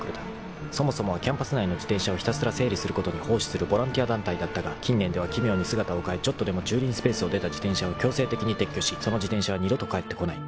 ［そもそもはキャンパス内の自転車をひたすら整理することに奉仕するボランティア団体だったが近年では奇妙に姿を変えちょっとでも駐輪スペースを出た自転車を強制的に撤去しその自転車は二度と返ってこない］